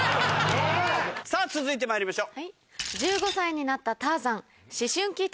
さぁ続いてまいりましょう。